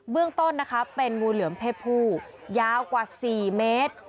เรื่องต้นนะคะเป็นงูเหลือมเพศผู้ยาวกว่า๔เมตร